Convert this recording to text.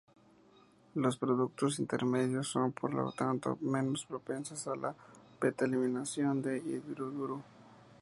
Los productos intermedios son por lo tanto menos propensas a la beta-eliminación del hidruro.